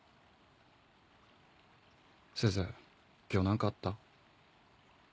すず今日何かあった？